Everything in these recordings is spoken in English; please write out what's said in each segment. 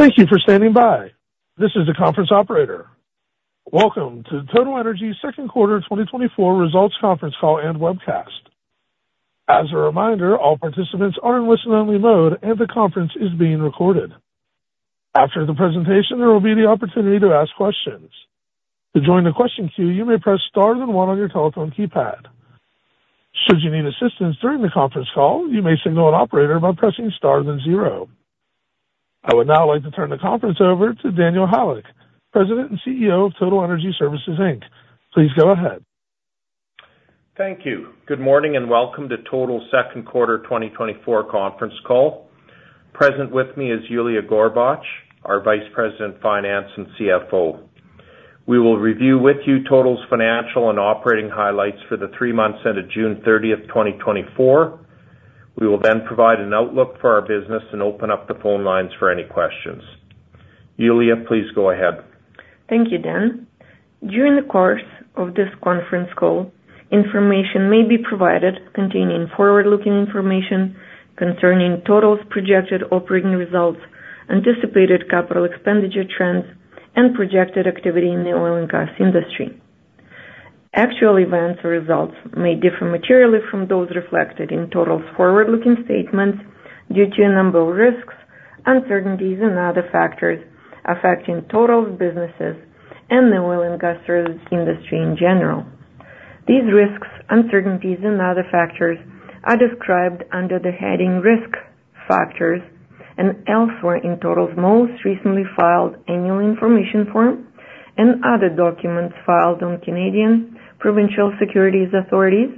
Thank you for standing by. This is the conference operator. Welcome to Total Energy Services second quarter 2024 results conference call and webcast. As a reminder, all participants are in listen-only mode, and the conference is being recorded. After the presentation, there will be the opportunity to ask questions. To join the question queue, you may press Star then one on your telephone keypad. Should you need assistance during the conference call, you may signal an operator by pressing Star then zero. I would now like to turn the conference over to Daniel Halyk, President and CEO of Total Energy Services, Inc. Please go ahead. Thank you. Good morning, and welcome to Total second quarter 2024 conference call. Present with me is Yuliya Gorbach, our Vice President, Finance and CFO. We will review with you Total's financial and operating highlights for the three months ended June 30, 2024. We will then provide an outlook for our business and open up the phone lines for any questions. Yulia, please go ahead. Thank you, Dan. During the course of this conference call, information may be provided containing forward-looking information concerning Total's projected operating results, anticipated capital expenditure trends, and projected activity in the oil and gas industry. Actual events or results may differ materially from those reflected in Total's forward-looking statements due to a number of risks, uncertainties, and other factors affecting Total's businesses and the oil and gas industry in general. These risks, uncertainties and other factors are described under the heading Risk Factors and elsewhere in Total's most recently filed annual information form and other documents filed on Canadian Provincial Securities Authorities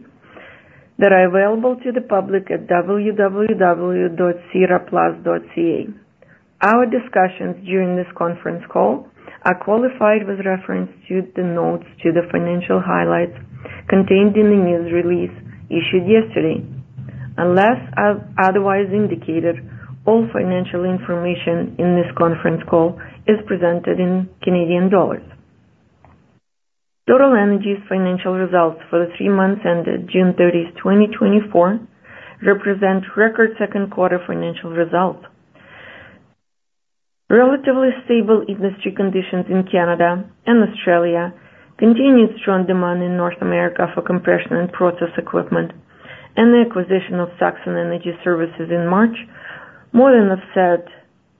that are available to the public at www.sedarplus.ca. Our discussions during this conference call are qualified with reference to the notes to the financial highlights contained in the news release issued yesterday. Unless, otherwise indicated, all financial information in this conference call is presented in Canadian dollars. Total Energy's financial results for the three months ended June 30, 2024, represent record second quarter financial results. Relatively stable industry conditions in Canada and Australia, continued strong demand in North America for compression and process equipment, and the acquisition of Saxon Energy Services in March more than offset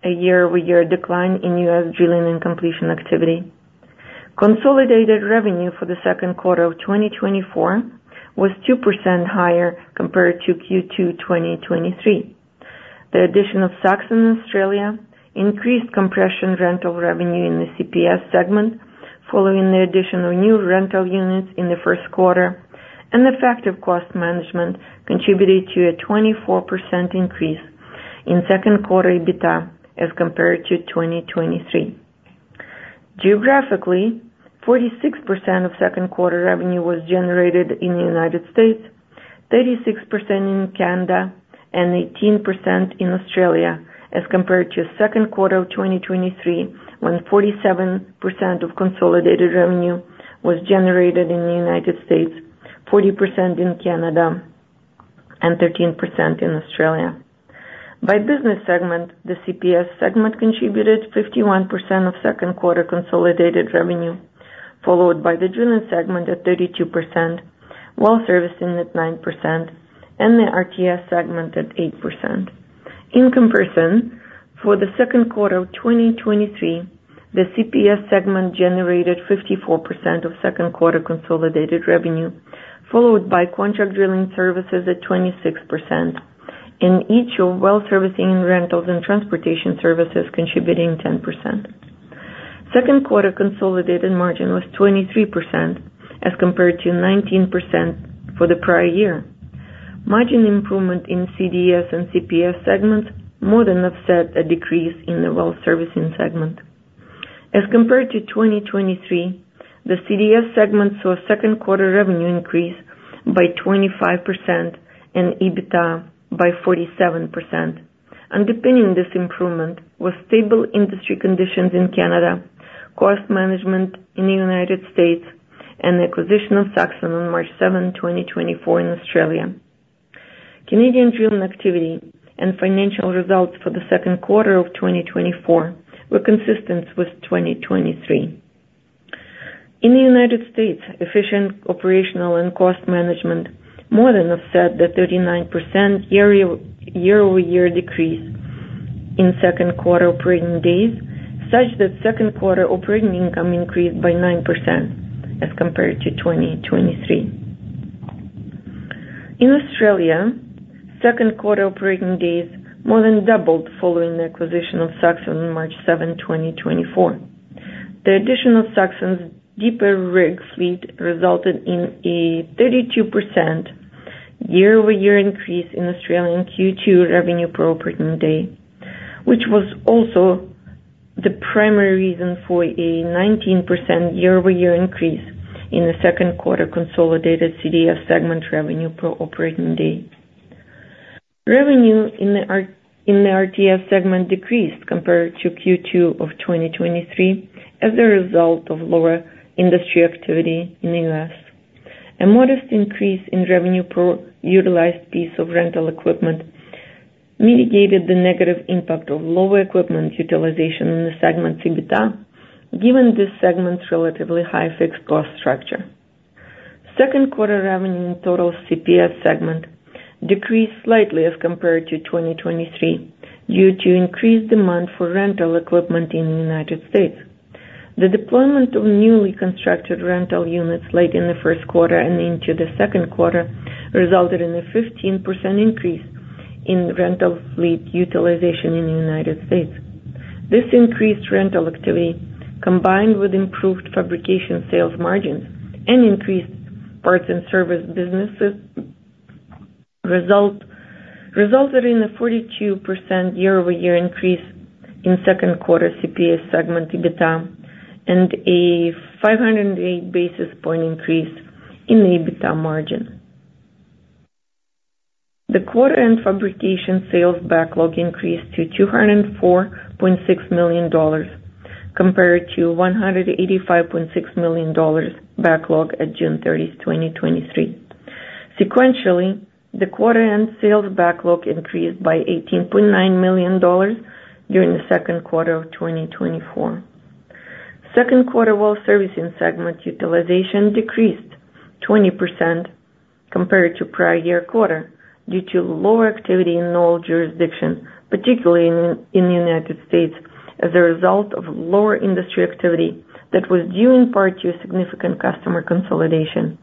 a year-over-year decline in U.S. drilling and completion activity. Consolidated revenue for the second quarter of 2024 was 2% higher compared to Q2 2023. The addition of Saxon in Australia increased compression rental revenue in the CPS segment, following the addition of new rental units in the first quarter, and effective cost management contributed to a 24% increase in second quarter EBITDA as compared to 2023. Geographically, 46% of second quarter revenue was generated in the United States, 36% in Canada, and 18% in Australia as compared to second quarter of 2023, when 47% of consolidated revenue was generated in the United States, 40% in Canada, and 13% in Australia. By business segment, the CPS segment contributed 51% of second quarter consolidated revenue, followed by the drilling segment at 32%, Well Servicing at 9%, and the RTS segment at 8%. In comparison, for the second quarter of 2023, the CPS segment generated 54% of second quarter consolidated revenue, followed by Contract Drilling Services at 26%. In each of Well Servicing, Rentals and Transportation Services contributing 10%. Second quarter consolidated margin was 23% as compared to 19% for the prior year. Margin improvement in CDS and CPS segments more than offset a decrease in the Well Servicing segment. As compared to 2023, the CDS segment saw second quarter revenue increase by 25% and EBITDA by 47%. Underpinning this improvement was stable industry conditions in Canada, cost management in the United States, and the acquisition of Saxon on March 7, 2024 in Australia. Canadian drilling activity and financial results for the second quarter of 2024 were consistent with 2023. In the United States, efficient operational and cost management more than offset the 39% year-over-year decrease in second quarter operating days, such that second quarter operating income increased by 9% as compared to 2023. In Australia, second quarter operating days more than doubled following the acquisition of Saxon on March 7, 2024. The addition of Saxon's deeper rig fleet resulted in a 32% year-over-year increase in Australian Q2 revenue per operating day, which was also the primary reason for a 19% year-over-year increase in the second quarter consolidated CDS segment revenue per operating day. Revenue in the RTS segment decreased compared to Q2 of 2023 as a result of lower industry activity in the U.S. A modest increase in revenue per utilized piece of rental equipment mitigated the negative impact of lower equipment utilization in the segment EBITDA, given this segment's relatively high fixed cost structure. Second quarter revenue in total CPS segment decreased slightly as compared to 2023, due to increased demand for rental equipment in the United States. The deployment of newly constructed rental units late in the first quarter and into the second quarter resulted in a 15% increase in rental fleet utilization in the United States. This increased rental activity, combined with improved fabrication sales margins and increased parts and service businesses, resulted in a 42% year-over-year increase in second quarter CPS segment EBITDA, and a 508 basis point increase in the EBITDA margin. The quarter end fabrication sales backlog increased to $204.6 million, compared to $185.6 million backlog at June 30, 2023. Sequentially, the quarter end sales backlog increased by $18.9 million during the second quarter of 2024. Second quarter Well Servicing segment utilization decreased 20% compared to prior year quarter, due to lower activity in all jurisdictions, particularly in the United States, as a result of lower industry activity that was due in part to a significant customer consolidation.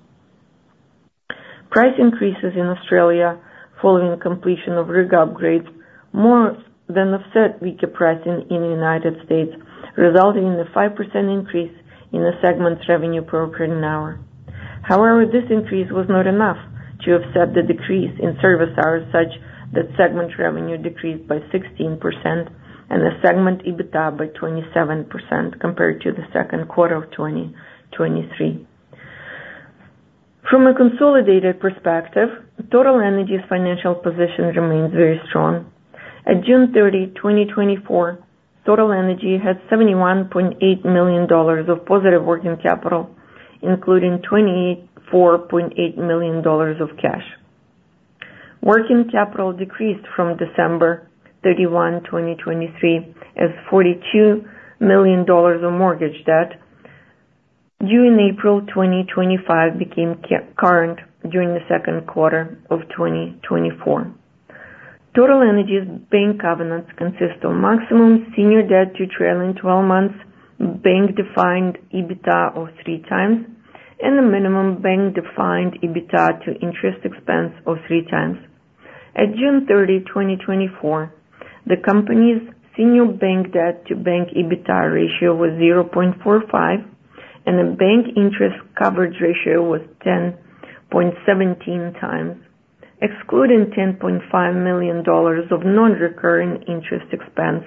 Price increases in Australia following completion of rig upgrades, more than offset weaker pricing in the United States, resulting in a 5% increase in the segment's revenue per operating hour. However, this increase was not enough to offset the decrease in service hours, such that segment revenue decreased by 16% and the segment EBITDA by 27% compared to the second quarter of 2023. From a consolidated perspective, Total Energy's financial position remains very strong. At June 30, 2024, Total Energy had 71.8 million dollars of positive working capital, including 24.8 million dollars of cash. Working capital decreased from December 31, 2023, as 42 million dollars of mortgage debt due in April 2025 became current during the second quarter of 2024. Total Energy's bank covenants consist of maximum senior debt to trailing twelve months, bank-defined EBITDA of 3x, and a minimum bank-defined EBITDA to interest expense of 3x. At June 30, 2024, the company's senior bank debt to bank EBITDA ratio was 0.45, and the bank interest coverage ratio was 10.17x, excluding 10.5 million dollars of non-recurring interest expense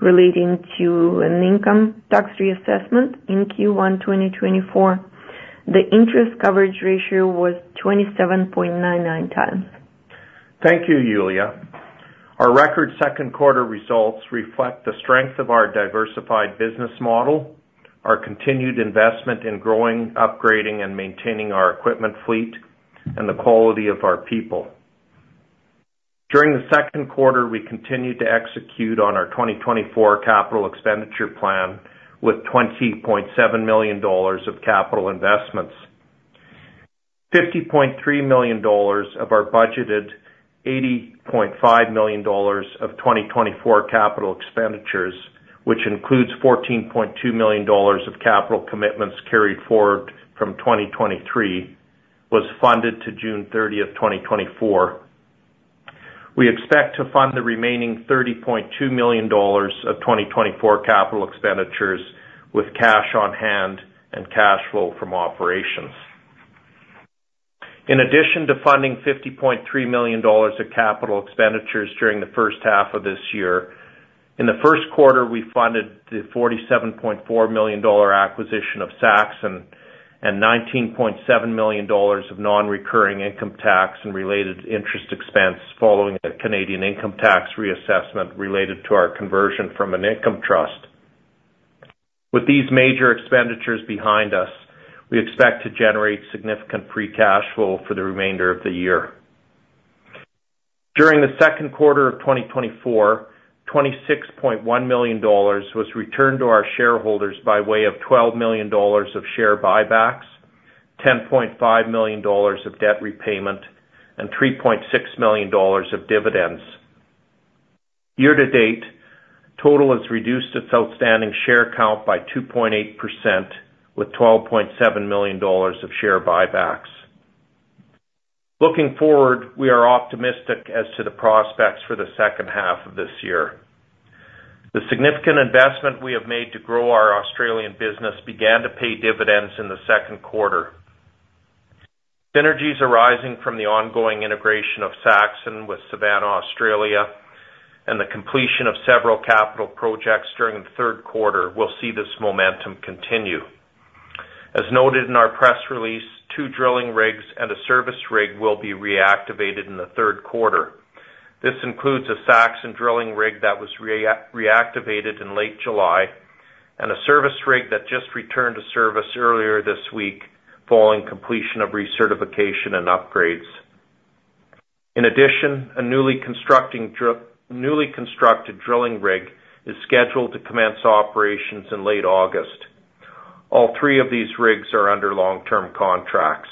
relating to an income tax reassessment in Q1 2024. The interest coverage ratio was 27.99x. Thank you, Yulia. Our record second quarter results reflect the strength of our diversified business model, our continued investment in growing, upgrading, and maintaining our equipment fleet, and the quality of our people. During the second quarter, we continued to execute on our 2024 capital expenditure plan with 20.7 million dollars of capital investments. 50.3 million dollars of our budgeted 80.5 million dollars of 2024 capital expenditures, which includes 14.2 million dollars of capital commitments carried forward from 2023, was funded to June 30, 2024. We expect to fund the remaining 30.2 million dollars of 2024 capital expenditures with cash on hand and cash flow from operations. In addition to funding 50.3 million dollars of capital expenditures during the first half of this year, in the first quarter, we funded the 47.4 million dollar acquisition of Saxon and 19.7 million dollars of non-recurring income tax and related interest expense following a Canadian income tax reassessment related to our conversion from an income trust. With these major expenditures behind us, we expect to generate significant free cash flow for the remainder of the year. During the second quarter of 2024, 26.1 million dollars was returned to our shareholders by way of 12 million dollars of share buybacks, 10.5 million dollars of debt repayment, and 3.6 million dollars of dividends. Year to date, Total has reduced its outstanding share count by 2.8%, with 12.7 million dollars of share buybacks. Looking forward, we are optimistic as to the prospects for the second half of this year. The significant investment we have made to grow our Australian business began to pay dividends in the second quarter. Synergies arising from the ongoing integration of Saxon with Savanna Australia, and the completion of several capital projects during the third quarter, will see this momentum continue. As noted in our press release, two drilling rigs and a service rig will be reactivated in the third quarter. This includes a Saxon drilling rig that was reactivated in late July and a service rig that just returned to service earlier this week following completion of recertification and upgrades. In addition, a newly constructed drilling rig is scheduled to commence operations in late August. All three of these rigs are under long-term contracts.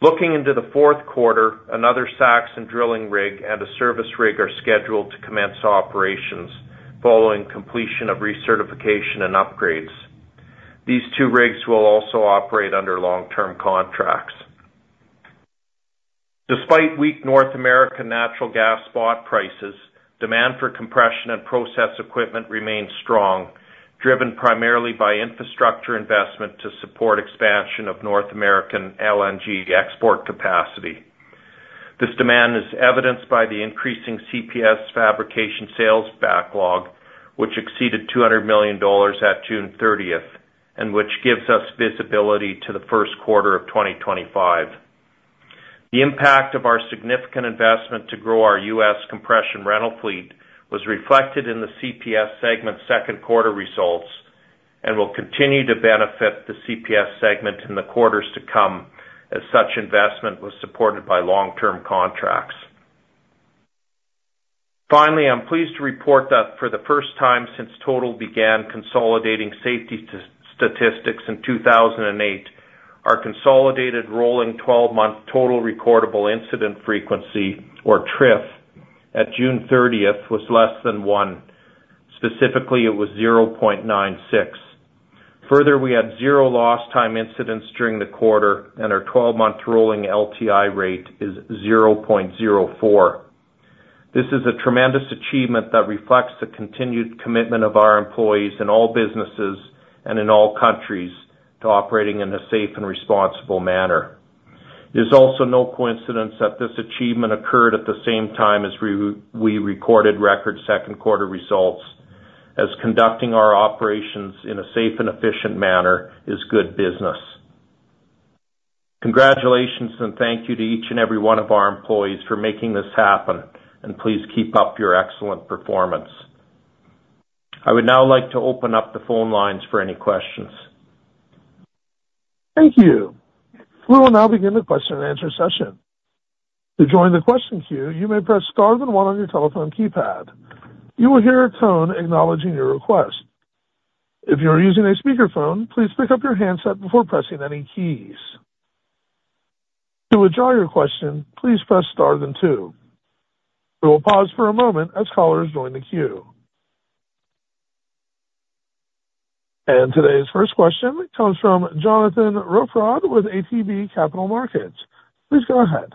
Looking into the fourth quarter, another Saxon drilling rig and a service rig are scheduled to commence operations following completion of recertification and upgrades. These two rigs will also operate under long-term contracts. Despite weak North American natural gas spot prices, demand for compression and process equipment remains strong, driven primarily by infrastructure investment to support expansion of North American LNG export capacity. This demand is evidenced by the increasing CPS fabrication sales backlog, which exceeded 200 million dollars at June 30, and which gives us visibility to the first quarter of 2025. The impact of our significant investment to grow our U.S. compression rental fleet was reflected in the CPS segment second quarter results, and will continue to benefit the CPS segment in the quarters to come, as such investment was supported by long-term contracts. Finally, I'm pleased to report that for the first time since Total began consolidating safety statistics in 2008, our consolidated rolling twelve-month total recordable incident frequency, or TRIF, at June 30th was less than one. Specifically, it was 0.96. Further, we had zero lost time incidents during the quarter, and our twelve-month rolling LTI rate is 0.04. This is a tremendous achievement that reflects the continued commitment of our employees in all businesses and in all countries to operating in a safe and responsible manner. It is also no coincidence that this achievement occurred at the same time as we recorded record second quarter results, as conducting our operations in a safe and efficient manner is good business. Congratulations, and thank you to each and every one of our employees for making this happen, and please keep up your excellent performance. I would now like to open up the phone lines for any questions. Thank you. We will now begin the question and answer session. To join the question queue, you may press star then one on your telephone keypad. You will hear a tone acknowledging your request. If you are using a speakerphone, please pick up your handset before pressing any keys. To withdraw your question, please press star then two. We will pause for a moment as callers join the queue. Today's first question comes from Jonathan Guibord with ATB Capital Markets. Please go ahead.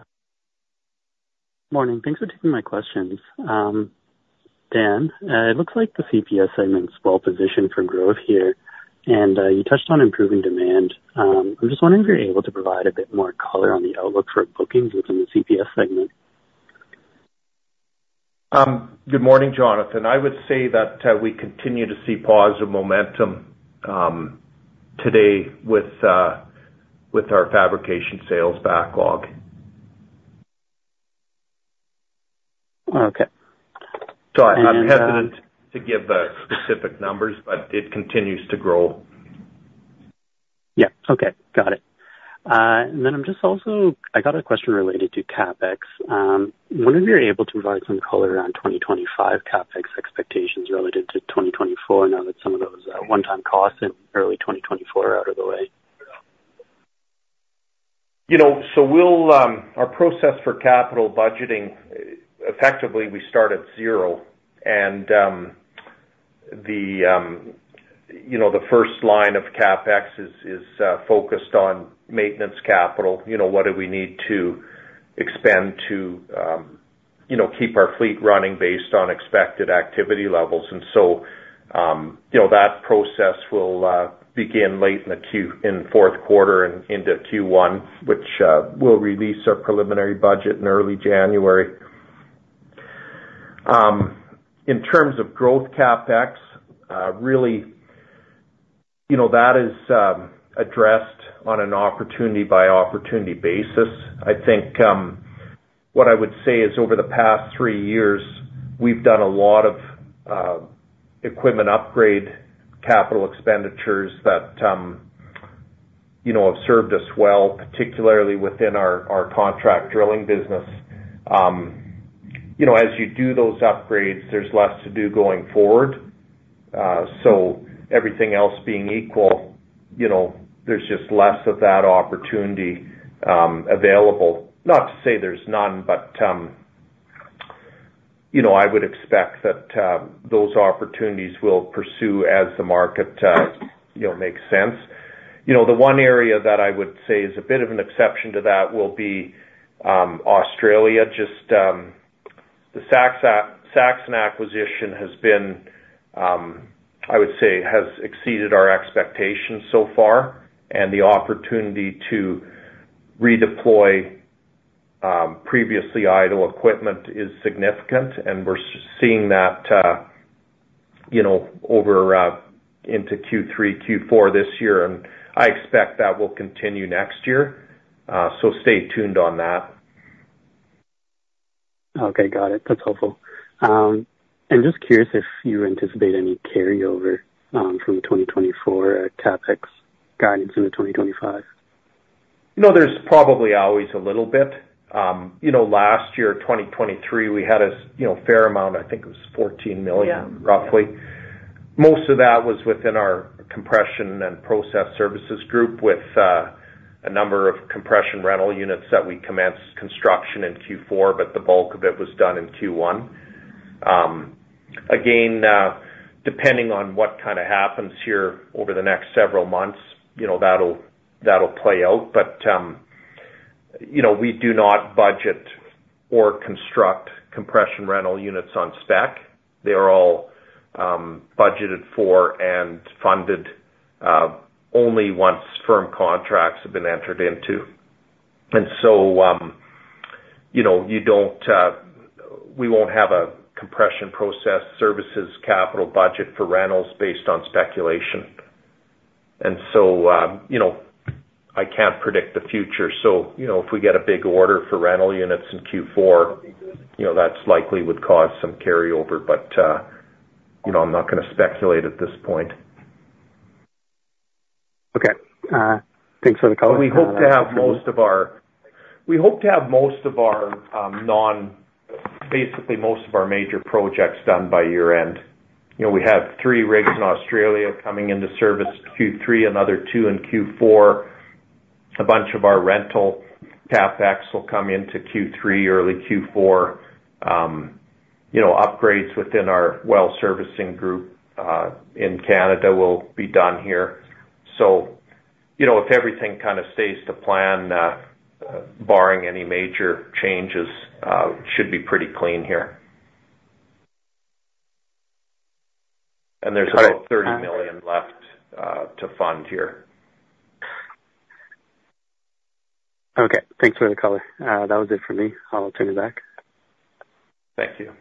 Morning. Thanks for taking my questions. Dan, it looks like the CPS segment's well positioned for growth here, and, you touched on improving demand. I'm just wondering if you're able to provide a bit more color on the outlook for bookings within the CPS segment? Good morning, Jonathan. I would say that we continue to see positive momentum today with our fabrication sales backlog. Okay. So I'm hesitant to give specific numbers, but it continues to grow. Yeah. Okay, got it. And then I'm just also—I got a question related to CapEx. Wondering if you're able to provide some color around 2025 CapEx expectations related to 2024, now that some of those one-time costs in early 2024 are out of the way. You know, so we'll our process for capital budgeting, effectively, we start at zero. And you know, the first line of CapEx is focused on maintenance capital. You know, what do we need to expand to, you know, keep our fleet running based on expected activity levels? And so, you know, that process will begin late in the fourth quarter and into Q1, which we'll release our preliminary budget in early January. In terms of growth CapEx, really, you know, that is addressed on an opportunity-by-opportunity basis. I think what I would say is over the past three years, we've done a lot of equipment upgrade capital expenditures that, you know, have served us well, particularly within our contract drilling business. You know, as you do those upgrades, there's less to do going forward. So everything else being equal, you know, there's just less of that opportunity available. Not to say there's none, but, you know, I would expect that those opportunities we'll pursue as the market, you know, makes sense. You know, the one area that I would say is a bit of an exception to that will be Australia. Just, the Saxon acquisition has been, I would say, has exceeded our expectations so far, and the opportunity to redeploy previously idle equipment is significant, and we're seeing that, you know, over into Q3, Q4 this year, and I expect that will continue next year. So stay tuned on that. Okay, got it. That's helpful. I'm just curious if you anticipate any carryover from 2024 CapEx guidance into 2025? You know, there's probably always a little bit. You know, last year, 2023, we had a, you know, fair amount. I think it was 14 million- Yeah. Roughly. Most of that was within our Compression and Process Services group, with a number of compression rental units that we commenced construction in Q4, but the bulk of it was done in Q1. Again, depending on what kind of happens here over the next several months, you know, that'll, that'll play out. But, you know, we do not budget or construct compression rental units on spec. They're all budgeted for and funded only once firm contracts have been entered into. And so, you know, you don't, we won't have a Compression Process Services capital budget for rentals based on speculation. And so, you know, I can't predict the future. So, you know, if we get a big order for rental units in Q4, you know, that's likely would cause some carryover, but, you know, I'm not gonna speculate at this point. Okay. Thanks for the call. We hope to have most of our, basically, most of our major projects done by year-end. You know, we have 3 rigs in Australia coming into service, Q3, another 2 in Q4. A bunch of our rental CapEx will come into Q3, early Q4. You know, upgrades within our Well Servicing group, in Canada will be done here. So, you know, if everything kind of stays to plan, barring any major changes, should be pretty clean here. And there's about 30 million left to fund here. Okay, thanks for the color. That was it for me. I'll turn it back. Thank you.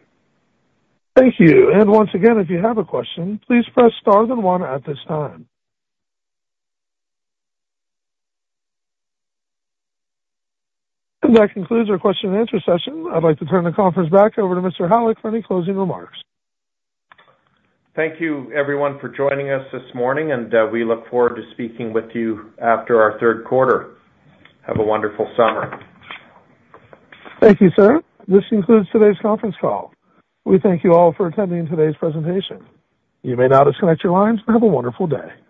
Thank you. And once again, if you have a question, please press Star and One at this time. And that concludes our question and answer session. I'd like to turn the conference back over to Mr. Halyk for any closing remarks. Thank you, everyone, for joining us this morning, and, we look forward to speaking with you after our third quarter. Have a wonderful summer. Thank you, sir. This concludes today's conference call. We thank you all for attending today's presentation. You may now disconnect your lines and have a wonderful day.